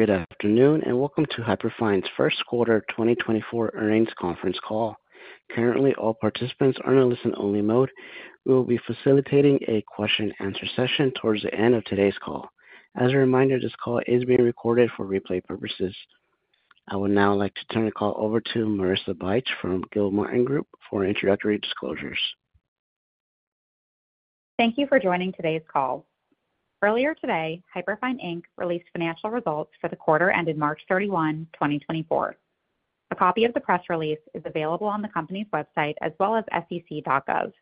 Good afternoon and welcome to Hyperfine's first quarter 2024 earnings conference call. Currently, all participants are in a listen-only mode. We will be facilitating a question-and-answer session towards the end of today's call. As a reminder, this call is being recorded for replay purposes. I would now like to turn the call over to Marissa Bych from Gilmartin Group for introductory disclosures. Thank you for joining today's call. Earlier today, Hyperfine, Inc. released financial results for the quarter ended March 31, 2024. A copy of the press release is available on the company's website as well as SEC.gov.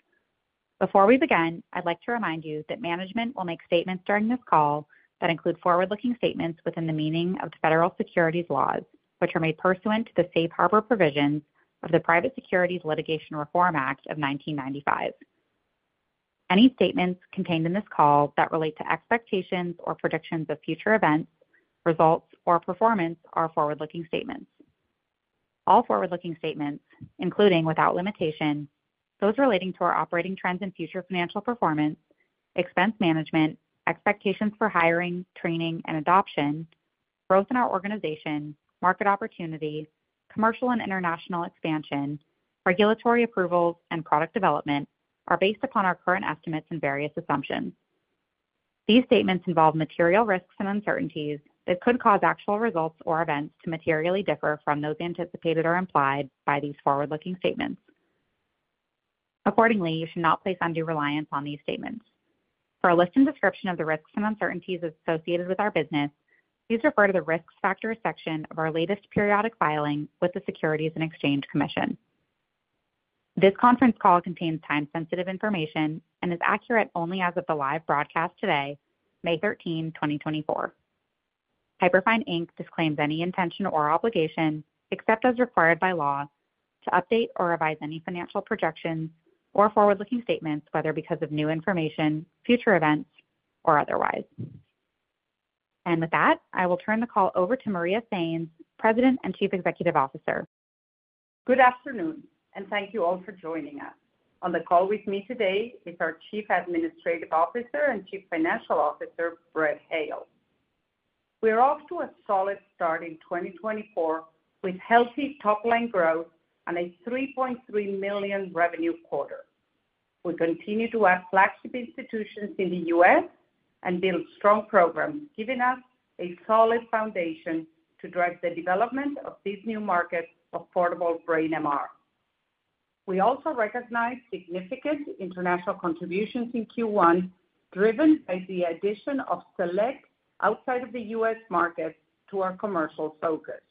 Before we begin, I'd like to remind you that management will make statements during this call that include forward-looking statements within the meaning of the federal securities laws, which are made pursuant to the safe harbor provisions of the Private Securities Litigation Reform Act of 1995. Any statements contained in this call that relate to expectations or predictions of future events, results, or performance are forward-looking statements. All forward-looking statements, including without limitation, those relating to our operating trends and future financial performance, expense management, expectations for hiring, training, and adoption, growth in our organization, market opportunity, commercial and international expansion, regulatory approvals, and product development are based upon our current estimates and various assumptions. These statements involve material risks and uncertainties that could cause actual results or events to materially differ from those anticipated or implied by these forward-looking statements. Accordingly, you should not place undue reliance on these statements. For a list and description of the risks and uncertainties associated with our business, please refer to the Risk Factors section of our latest periodic filing with the Securities and Exchange Commission. This conference call contains time-sensitive information and is accurate only as of the live broadcast today, May 13, 2024. Hyperfine Inc. disclaims any intention or obligation, except as required by law, to update or revise any financial projections or forward-looking statements, whether because of new information, future events, or otherwise. With that, I will turn the call over to Maria Sainz, President and Chief Executive Officer. Good afternoon and thank you all for joining us. On the call with me today is our Chief Administrative Officer and Chief Financial Officer, Brett Hale. We are off to a solid start in 2024 with healthy top-line growth and a $3.3 million revenue quarter. We continue to add flagship institutions in the U.S. and build strong programs, giving us a solid foundation to drive the development of these new markets of portable brain MR. We also recognize significant international contributions in Q1 driven by the addition of select outside-of-the-U.S. markets to our commercial focus.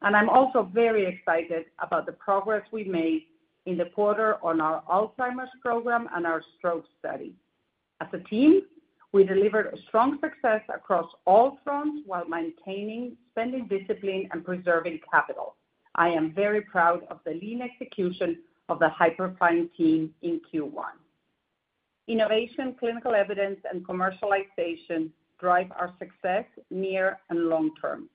I'm also very excited about the progress we made in the quarter on our Alzheimer's program and our stroke study. As a team, we delivered strong success across all fronts while maintaining spending discipline and preserving capital. I am very proud of the lean execution of the Hyperfine team in Q1. Innovation, clinical evidence, and commercialization drive our success near and long term.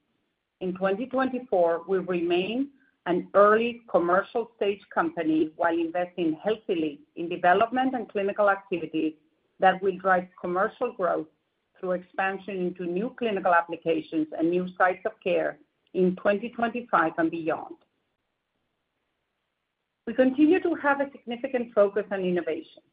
In 2024, we remain an early commercial-stage company while investing heavily in development and clinical activities that will drive commercial growth through expansion into new clinical applications and new sites of care in 2025 and beyond. We continue to have a significant focus on innovation.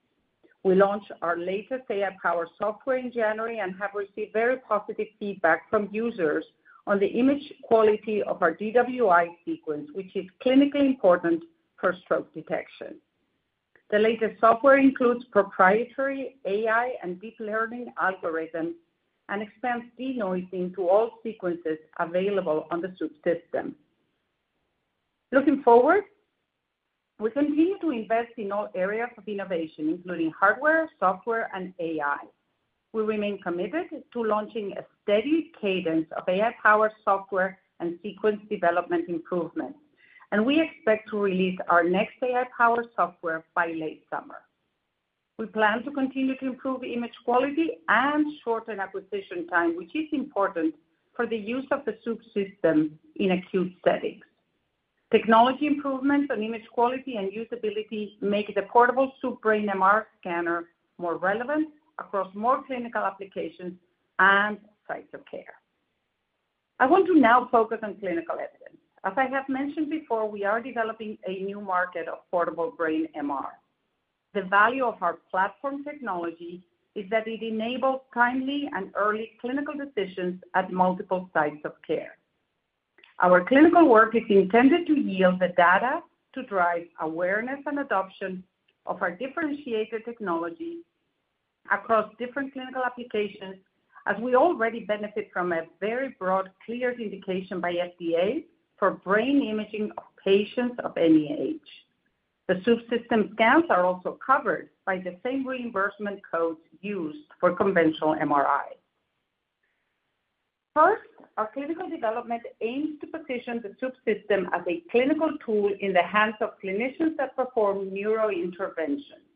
We launched our latest AI-powered software in January and have received very positive feedback from users on the image quality of our DWI sequence, which is clinically important for stroke detection. The latest software includes proprietary AI and deep learning algorithms and expands denoising to all sequences available on the Swoopsystem. Looking forward, we continue to invest in all areas of innovation, including hardware, software, and AI. We remain committed to launching a steady cadence of AI-powered software and sequence development improvements, and we expect to release our next AI-powered software by late summer. We plan to continue to improve image quality and shorten acquisition time, which is important for the use of the Swoop system in acute settings. Technology improvements on image quality and usability make the portable Swoop brain MR scanner more relevant across more clinical applications and sites of care. I want to now focus on clinical evidence. As I have mentioned before, we are developing a new market of portable brain MR. The value of our platform technology is that it enables timely and early clinical decisions at multiple sites of care. Our clinical work is intended to yield the data to drive awareness and adoption of our differentiated technology across different clinical applications, as we already benefit from a very broad clear indication by FDA for brain imaging of patients of any age. The Swoop system scans are also covered by the same reimbursement codes used for conventional MRI. First, our clinical development aims to position the Swoop system as a clinical tool in the hands of clinicians that perform neurointerventions.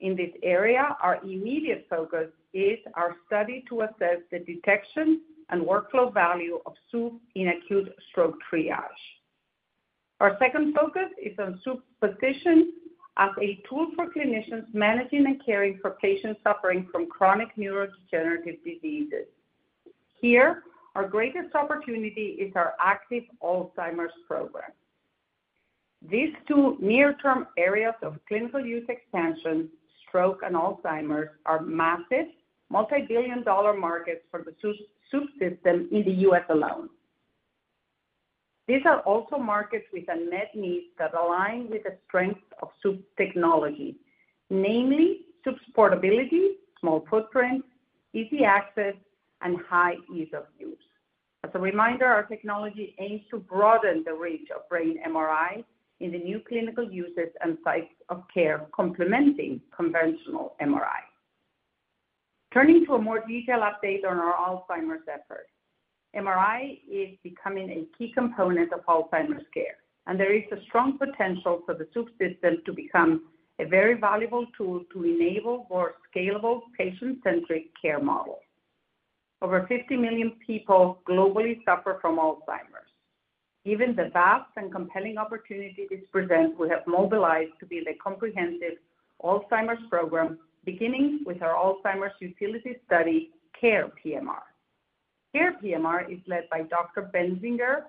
In this area, our immediate focus is our study to assess the detection and workflow value of Swoop in acute stroke triage. Our second focus is on Swoop's position as a tool for clinicians managing and caring for patients suffering from chronic neurodegenerative diseases. Here, our greatest opportunity is our active Alzheimer's program. These two near-term areas of clinical use expansion, stroke and Alzheimer's, are massive, multibillion-dollar markets for the Swoop system in the U.S. alone. These are also markets with a net need that aligns with the strengths of Swoop technology, namely Swoop's portability, small footprint, easy access, and high ease of use. As a reminder, our technology aims to broaden the reach of brain MRI in the new clinical uses and sites of care complementing conventional MRI. Turning to a more detailed update on our Alzheimer's efforts, MRI is becoming a key component of Alzheimer's care, and there is a strong potential for the Swoop system to become a very valuable tool to enable more scalable patient-centric care models. Over 50 million people globally suffer from Alzheimer's. Given the vast and compelling opportunity this presents, we have mobilized to build a comprehensive Alzheimer's program, beginning with our Alzheimer's utility study, CARE PMR. CARE PMR is led by Dr. Benzinger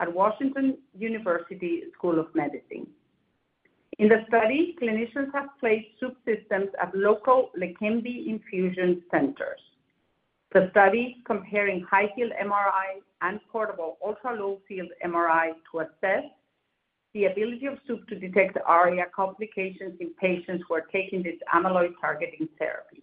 at Washington University School of Medicine. In the study, clinicians have placed Swoop systems at local LEQEMBI infusion centers. The study is comparing high-field MRI and portable ultra-low-field MRI to assess the ability of Swoop to detect ARIA complications in patients who are taking this amyloid targeting therapy.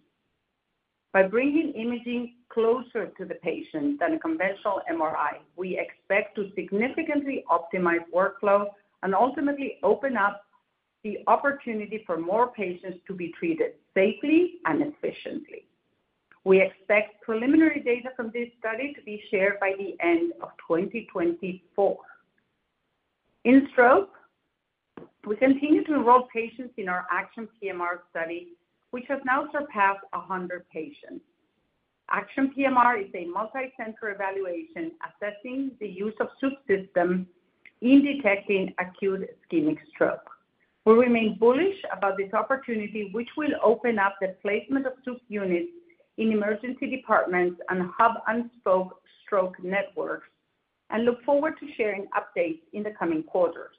By bringing imaging closer to the patient than a conventional MRI, we expect to significantly optimize workflow and ultimately open up the opportunity for more patients to be treated safely and efficiently. We expect preliminary data from this study to be shared by the end of 2024. In stroke, we continue to enroll patients in our ACTION PMR study, which has now surpassed 100 patients. ACTION PMR is a multi-center evaluation assessing the use of Swoop systems in detecting acute ischemic stroke. We remain bullish about this opportunity, which will open up the placement of Swoop units in emergency departments and hub-and-spoke stroke networks, and look forward to sharing updates in the coming quarters.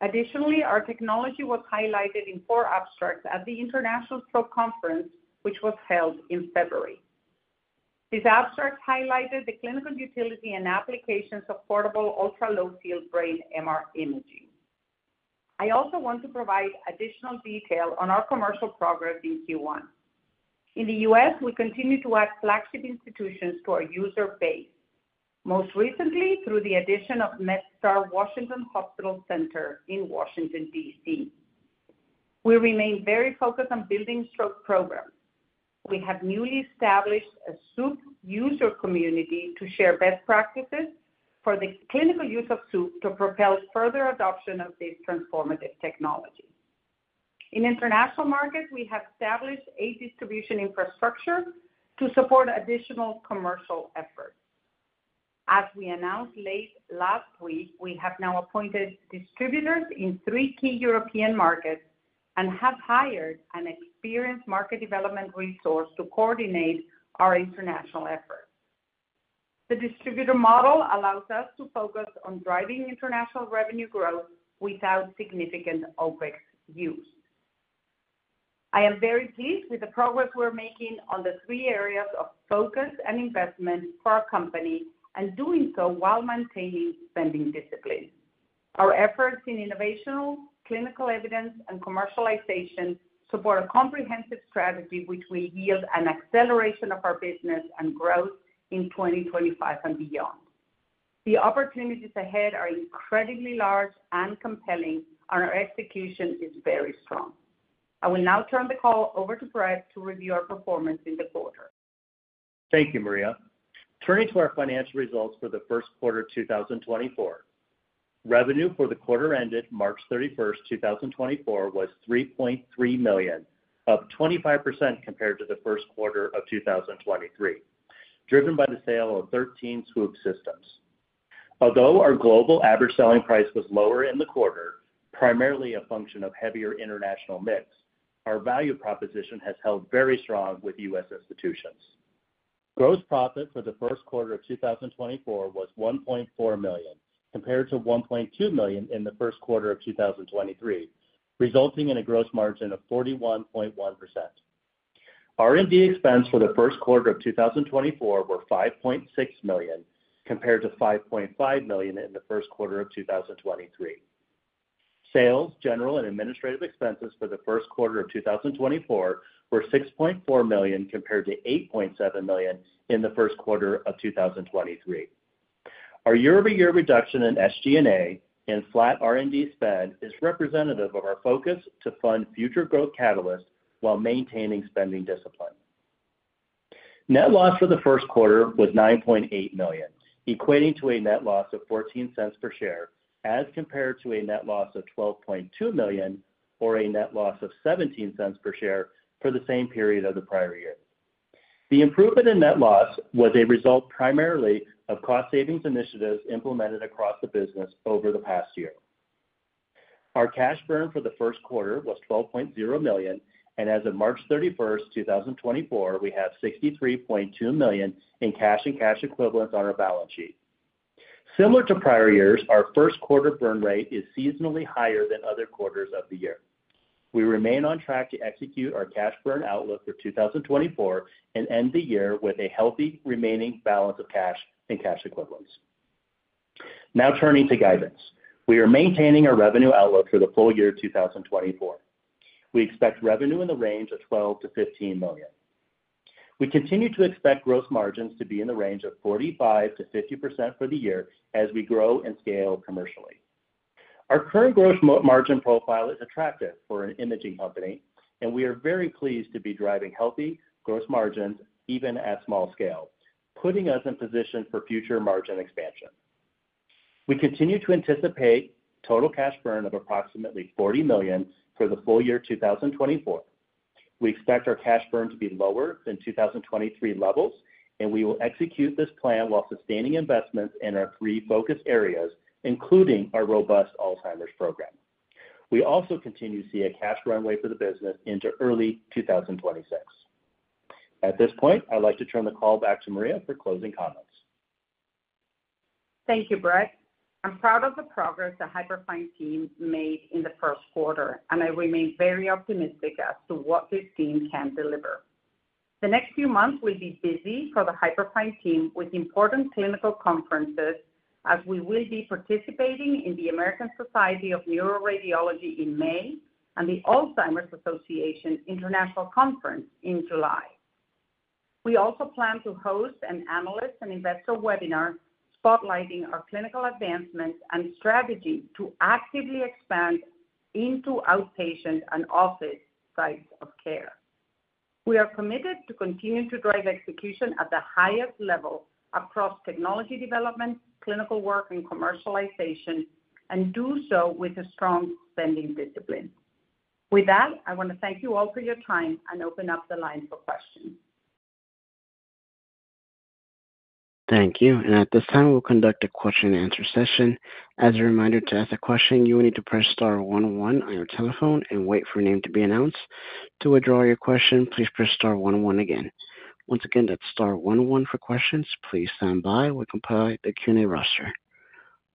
Additionally, our technology was highlighted in four abstracts at the International Stroke Conference, which was held in February. These abstracts highlighted the clinical utility and applications of portable ultra-low-field brain MR imaging. I also want to provide additional detail on our commercial progress in Q1. In the U.S., we continue to add flagship institutions to our user base, most recently through the addition of MedStar Washington Hospital Center in Washington, D.C. We remain very focused on building stroke programs. We have newly established a Swoop user community to share best practices for the clinical use of Swoop to propel further adoption of this transformative technology. In international markets, we have established a distribution infrastructure to support additional commercial efforts. As we announced late last week, we have now appointed distributors in three key European markets and have hired an experienced market development resource to coordinate our international efforts. The distributor model allows us to focus on driving international revenue growth without significant OpEx use. I am very pleased with the progress we're making on the three areas of focus and investment for our company, and doing so while maintaining spending discipline. Our efforts in innovation, clinical evidence, and commercialization support a comprehensive strategy which will yield an acceleration of our business and growth in 2025 and beyond. The opportunities ahead are incredibly large and compelling, and our execution is very strong. I will now turn the call over to Brett to review our performance in the quarter. Thank you, Maria. Turning to our financial results for the first quarter 2024. Revenue for the quarter ended March 31, 2024, was $3.3 million, up 25% compared to the first quarter of 2023, driven by the sale of 13 Swoop systems. Although our global average selling price was lower in the quarter, primarily a function of heavier international mix, our value proposition has held very strong with U.S. institutions. Gross profit for the first quarter of 2024 was $1.4 million compared to $1.2 million in the first quarter of 2023, resulting in a gross margin of 41.1%. R&D expense for the first quarter of 2024 were $5.6 million compared to $5.5 million in the first quarter of 2023. Sales, general, and administrative expenses for the first quarter of 2024 were $6.4 million compared to $8.7 million in the first quarter of 2023. Our year-over-year reduction in SG&A and flat R&D spend is representative of our focus to fund future growth catalysts while maintaining spending discipline. Net loss for the first quarter was $9.8 million, equating to a net loss of $0.14 per share as compared to a net loss of $12.2 million or a net loss of $0.17 per share for the same period of the prior year. The improvement in net loss was a result primarily of cost-savings initiatives implemented across the business over the past year. Our cash burn for the first quarter was $12.0 million, and as of March 31st, 2024, we have $63.2 million in cash and cash equivalents on our balance sheet. Similar to prior years, our first quarter burn rate is seasonally higher than other quarters of the year. We remain on track to execute our cash burn outlook for 2024 and end the year with a healthy remaining balance of cash and cash equivalents. Now turning to guidance. We are maintaining our revenue outlook for the full year 2024. We expect revenue in the range of $12 million-$15 million. We continue to expect gross margins to be in the range of 45%-50% for the year as we grow and scale commercially. Our current gross margin profile is attractive for an imaging company, and we are very pleased to be driving healthy gross margins even at small scale, putting us in position for future margin expansion. We continue to anticipate total cash burn of approximately $40 million for the full year 2024. We expect our cash burn to be lower than 2023 levels, and we will execute this plan while sustaining investments in our three focus areas, including our robust Alzheimer's program. We also continue to see a cash runway for the business into early 2026. At this point, I'd like to turn the call back to Maria for closing comments. Thank you, Brett. I'm proud of the progress the Hyperfine team made in the first quarter, and I remain very optimistic as to what this team can deliver. The next few months will be busy for the Hyperfine team with important clinical conferences, as we will be participating in the American Society of Neuroradiology in May and the Alzheimer's Association International Conference in July. We also plan to host an analyst and investor webinar spotlighting our clinical advancements and strategy to actively expand into outpatient and office sites of care. We are committed to continue to drive execution at the highest level across technology development, clinical work, and commercialization, and do so with a strong spending discipline. With that, I want to thank you all for your time and open up the line for questions. Thank you. At this time, we'll conduct a question-and-answer session. As a reminder, to ask a question, you will need to press star one one on your telephone and wait for your name to be announced. To withdraw your question, please press star one one again. Once again, that's star one one for questions. Please stand by. We'll compile the Q&A roster.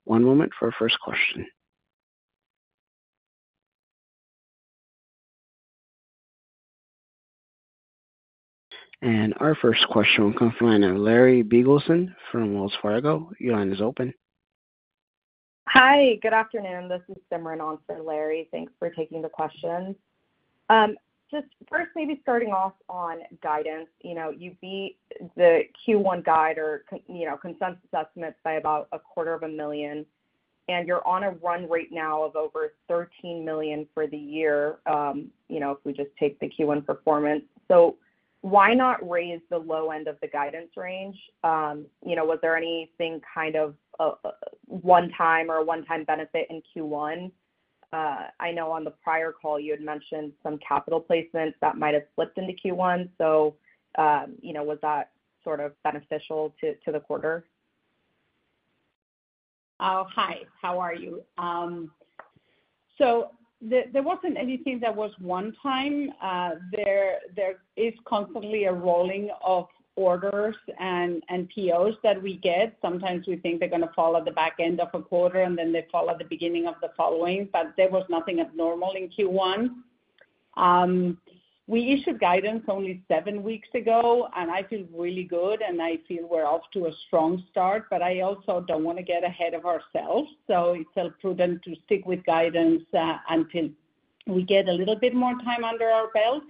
One moment for our first question. Our first question will come from my name Larry Biegelsen from Wells Fargo. Your line is open. Hi. Good afternoon. This is Simran on for Larry. Thanks for taking the question. Just first, maybe starting off on guidance. You beat the Q1 guide or consensus estimates by about $250,000, and you're on a run right now of over $13 million for the year if we just take the Q1 performance. So why not raise the low end of the guidance range? Was there anything kind of one-time or a one-time benefit in Q1? I know on the prior call, you had mentioned some capital placements that might have slipped into Q1. So was that sort of beneficial to the quarter? Oh, hi. How are you? So there wasn't anything that was one-time. There is constantly a rolling of orders and POs that we get. Sometimes we think they're going to follow the back end of a quarter, and then they follow the beginning of the following. But there was nothing abnormal in Q1. We issued guidance only seven weeks ago, and I feel really good, and I feel we're off to a strong start. But I also don't want to get ahead of ourselves, so it's prudent to stick with guidance until we get a little bit more time under our belt,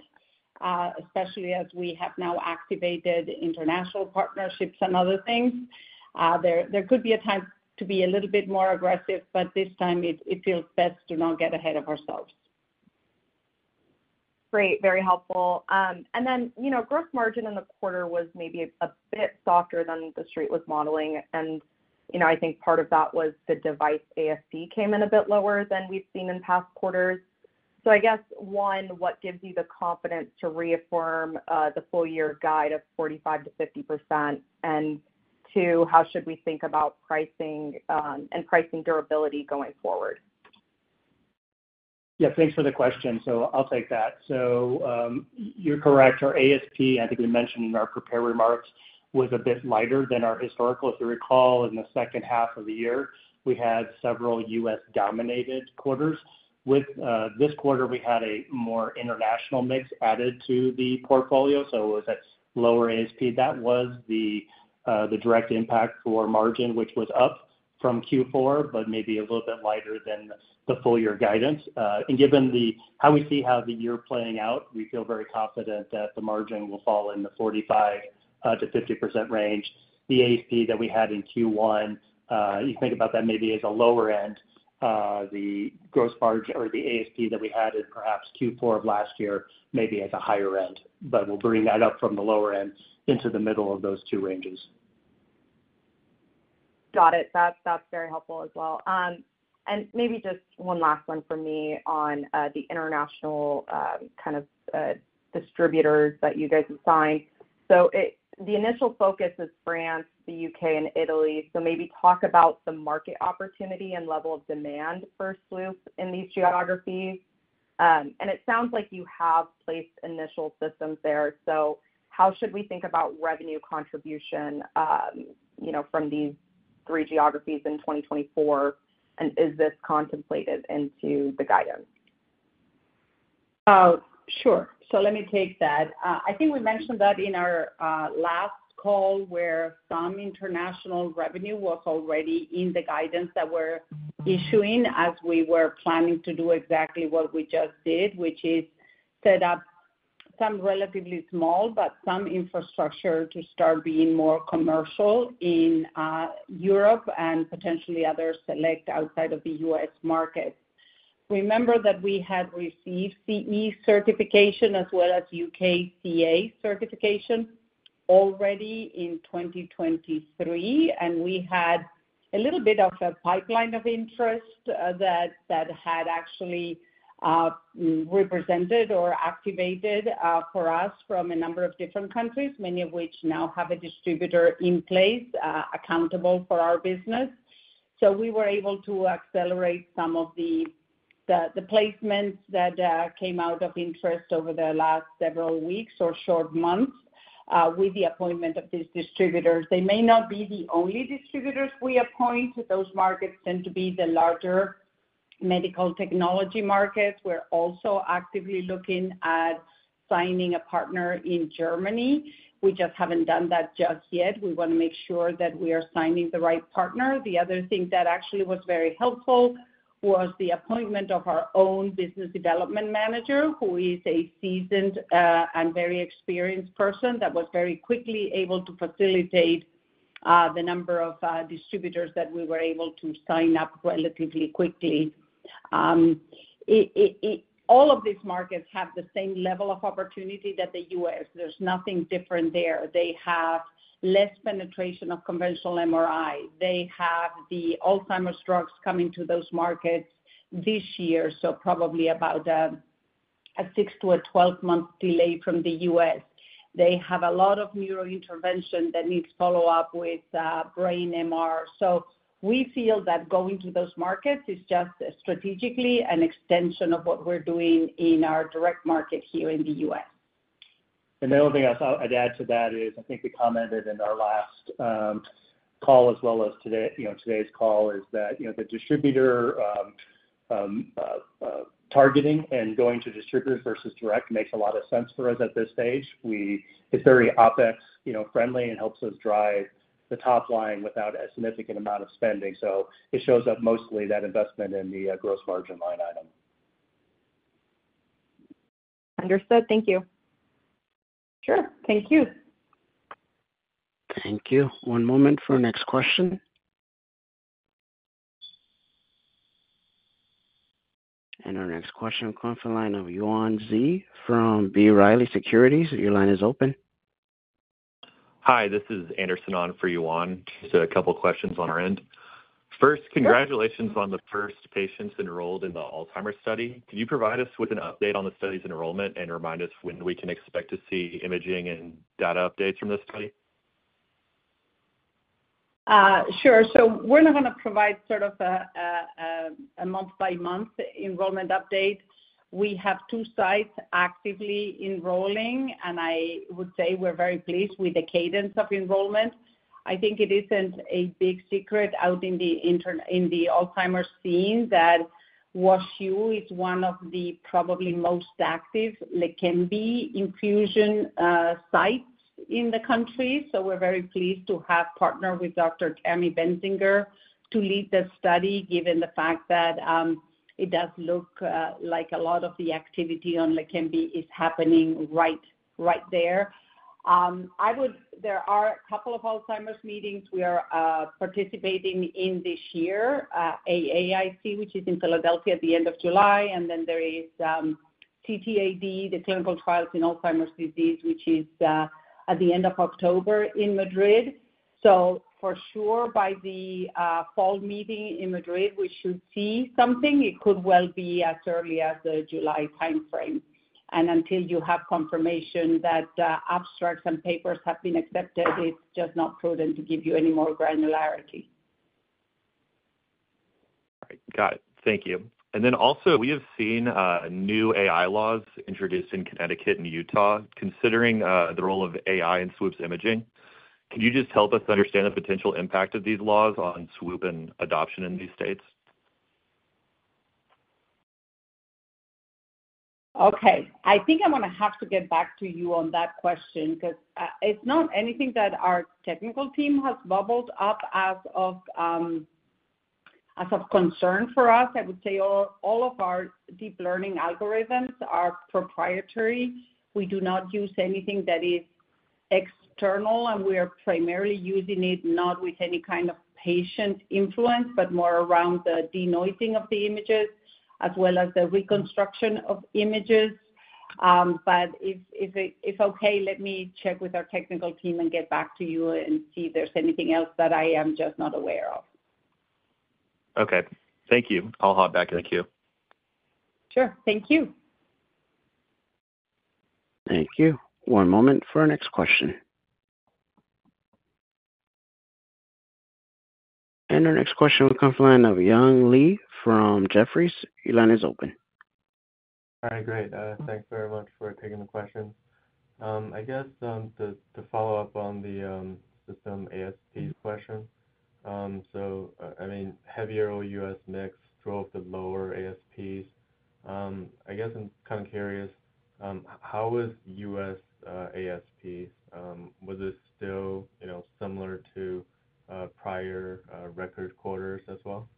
especially as we have now activated international partnerships and other things. There could be a time to be a little bit more aggressive, but this time, it feels best to not get ahead of ourselves. Great. Very helpful. And then gross margin in the quarter was maybe a bit softer than the street was modeling. And I think part of that was the device ASP came in a bit lower than we've seen in past quarters. So I guess, one, what gives you the confidence to reaffirm the full-year guide of 45%-50%? And two, how should we think about pricing and pricing durability going forward? Yeah. Thanks for the question. So I'll take that. So you're correct. Our ASP, I think we mentioned in our prepared remarks, was a bit lighter than our historical. If you recall, in the second half of the year, we had several U.S.-dominated quarters. This quarter, we had a more international mix added to the portfolio, so it was at lower ASP. That was the direct impact for margin, which was up from Q4 but maybe a little bit lighter than the full-year guidance. And given how we see how the year playing out, we feel very confident that the margin will fall in the 45%-50% range. The ASP that we had in Q1, you can think about that maybe as a lower end. The gross margin or the ASP that we had in perhaps Q4 of last year may be at a higher end, but we'll bring that up from the lower end into the middle of those two ranges. Got it. That's very helpful as well. And maybe just one last one from me on the international kind of distributors that you guys assigned. So the initial focus is France, the U.K., and Italy. So maybe talk about the market opportunity and level of demand for Swoop in these geographies. And it sounds like you have placed initial systems there. So how should we think about revenue contribution from these three geographies in 2024, and is this contemplated into the guidance? Sure. So let me take that. I think we mentioned that in our last call where some international revenue was already in the guidance that we're issuing as we were planning to do exactly what we just did, which is set up some relatively small but some infrastructure to start being more commercial in Europe and potentially other select outside of the U.S. markets. Remember that we had received CE certification as well as UKCA certification already in 2023, and we had a little bit of a pipeline of interest that had actually represented or activated for us from a number of different countries, many of which now have a distributor in place accountable for our business. So we were able to accelerate some of the placements that came out of interest over the last several weeks or short months with the appointment of these distributors. They may not be the only distributors we appoint. Those markets tend to be the larger medical technology markets. We're also actively looking at signing a partner in Germany. We just haven't done that just yet. We want to make sure that we are signing the right partner. The other thing that actually was very helpful was the appointment of our own business development manager, who is a seasoned and very experienced person that was very quickly able to facilitate the number of distributors that we were able to sign up relatively quickly. All of these markets have the same level of opportunity that the U.S. There's nothing different there. They have less penetration of conventional MRI. They have the Alzheimer's drugs coming to those markets this year, so probably about a 6-12-month delay from the U.S. They have a lot of neurointervention that needs follow-up with brain MR. So we feel that going to those markets is just strategically an extension of what we're doing in our direct market here in the U.S. The only thing else I'd add to that is, I think we commented in our last call as well as today's call, is that the distributor targeting and going to distributors versus direct makes a lot of sense for us at this stage. It's very OpEx-friendly and helps us drive the top line without a significant amount of spending. It shows up mostly that investment in the gross margin line item. Understood. Thank you. Sure. Thank you. Thank you. One moment for our next question. Our next question comes from the line of Yuan Zhi from B. Riley Securities. Your line is open. Hi. This is Anderson on for Yuan. Just a couple of questions on our end. First, congratulations on the first patients enrolled in the Alzheimer's study. Can you provide us with an update on the study's enrollment and remind us when we can expect to see imaging and data updates from this study? Sure. So we're not going to provide sort of a month-by-month enrollment update. We have two sites actively enrolling, and I would say we're very pleased with the cadence of enrollment. I think it isn't a big secret out in the Alzheimer's scene that WashU is one of the probably most active LEQEMBI infusion sites in the country. So we're very pleased to have partnered with Dr. Tammie Benzinger to lead the study given the fact that it does look like a lot of the activity on LEQEMBI is happening right there. There are a couple of Alzheimer's meetings we are participating in this year, AAIC, which is in Philadelphia at the end of July. And then there is CTAD, the Clinical Trials on Alzheimer's Disease, which is at the end of October in Madrid. So for sure, by the fall meeting in Madrid, we should see something. It could well be as early as the July timeframe. Until you have confirmation that abstracts and papers have been accepted, it's just not prudent to give you any more granularity. All right. Got it. Thank you. And then also, we have seen new AI laws introduced in Connecticut and Utah considering the role of AI in Swoop's imaging. Can you just help us understand the potential impact of these laws on Swoop and adoption in these states? Okay. I think I'm going to have to get back to you on that question because it's not anything that our technical team has bubbled up as of concern for us. I would say all of our deep learning algorithms are proprietary. We do not use anything that is external, and we are primarily using it not with any kind of patient influence, but more around the denoising of the images as well as the reconstruction of images. But, okay, let me check with our technical team and get back to you and see if there's anything else that I am just not aware of. Okay. Thank you. I'll hop back in the queue. Sure. Thank you. Thank you. One moment for our next question. Our next question will come from the line of Young Li from Jefferies. Your line is open. All right. Great. Thanks very much for taking the question. I guess to follow up on the system ASPs question, so I mean, heavier OUS mix drove the lower ASPs. I guess I'm kind of curious, how was U.S. ASPs? Was it still similar to prior record quarters as well?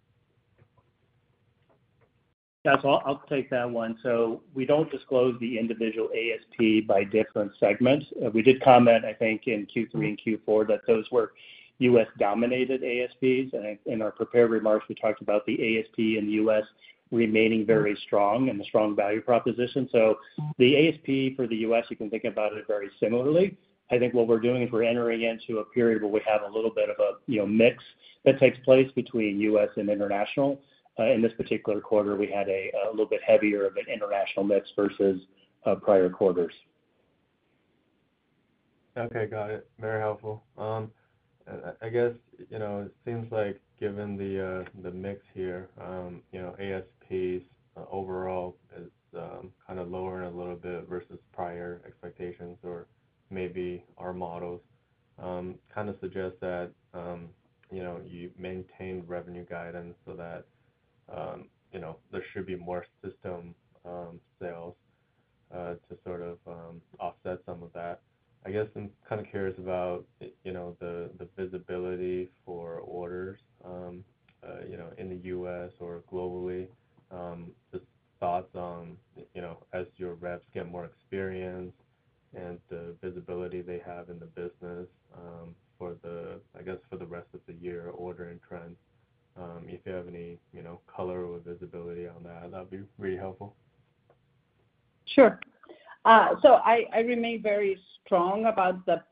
Yeah. So I'll take that one. So we don't disclose the individual ASP by different segments. We did comment, I think, in Q3 and Q4 that those were U.S.-dominated ASPs. And in our prepared remarks, we talked about the ASP in the U.S. remaining very strong and the strong value proposition. So the ASP for the U.S., you can think about it very similarly. I think what we're doing is we're entering into a period where we have a little bit of a mix that takes place between U.S. and international. In this particular quarter, we had a little bit heavier of an international mix versus prior quarters. Okay. Got it. Very helpful. I guess it seems like, given the mix here, ASPs overall is kind of lowering a little bit versus prior expectations or maybe our models kind of suggest that you maintained revenue guidance so that there should be more system sales to sort of offset some of that. I guess I'm kind of curious about the visibility for orders in the U.S. or globally, just thoughts on as your reps get more experience and the visibility they have in the business, I guess, for the rest of the year, order and trend. If you have any color or visibility on that, that'd be really helpful. Sure. So I remain very strong about the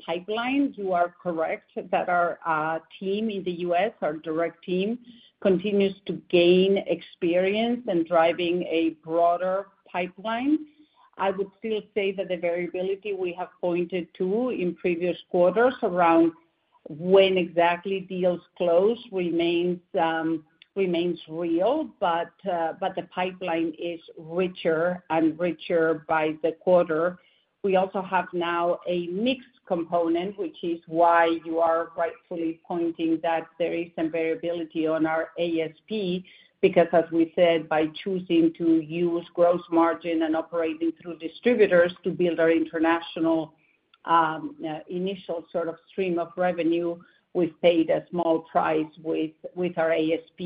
pipeline. You are correct that our team in the U.S., our direct team, continues to gain experience in driving a broader pipeline. I would still say that the variability we have pointed to in previous quarters around when exactly deals close remains real, but the pipeline is richer and richer by the quarter. We also have now a mixed component, which is why you are rightfully pointing that there is some variability on our ASP because, as we said, by choosing to use gross margin and operating through distributors to build our international initial sort of stream of revenue, we've paid a small price with our ASP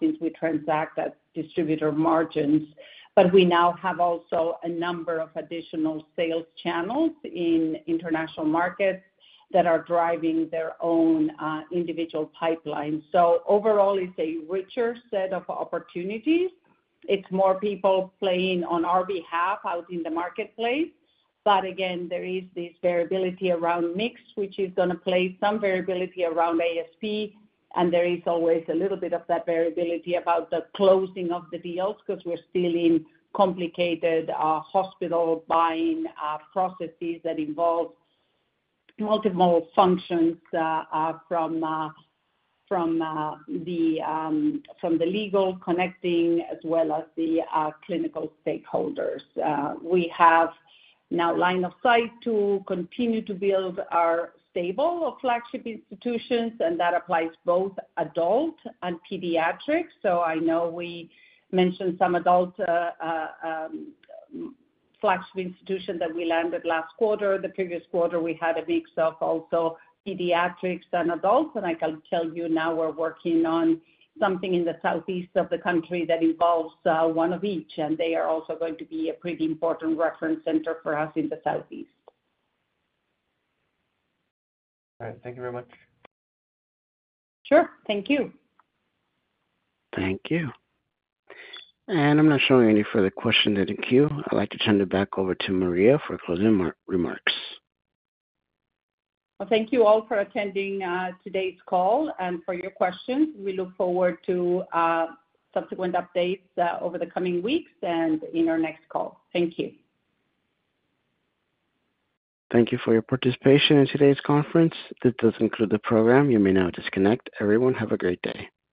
since we transact at distributor margins. But we now have also a number of additional sales channels in international markets that are driving their own individual pipelines. So overall, it's a richer set of opportunities. It's more people playing on our behalf out in the marketplace. But again, there is this variability around mix, which is going to play some variability around ASP. And there is always a little bit of that variability about the closing of the deals because we're still in complicated hospital buying processes that involve multiple functions from the legal connecting as well as the clinical stakeholders. We have now line of sight to continue to build our stable of flagship institutions, and that applies both adult and pediatrics. So I know we mentioned some adult flagship institution that we landed last quarter. The previous quarter, we had a mix of also pediatrics and adults. I can tell you now we're working on something in the southeast of the country that involves one of each, and they are also going to be a pretty important reference center for us in the southeast. All right. Thank you very much. Sure. Thank you. Thank you. I'm not showing any further questions in the queue. I'd like to turn it back over to Maria for closing remarks. Well, thank you all for attending today's call and for your questions. We look forward to subsequent updates over the coming weeks and in our next call. Thank you. Thank you for your participation in today's conference. This does include the program. You may now disconnect. Everyone, have a great day.